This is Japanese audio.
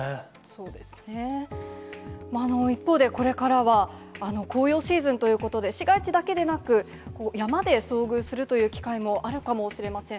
一方でこれからは紅葉シーズンということで、市街地だけでなく、山で遭遇するという機会もあるかもしれません。